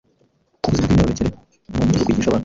ku buzima bw’imyororokere n’uburyo bwo kwigisha abana